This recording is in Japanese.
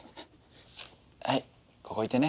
はいここいてね。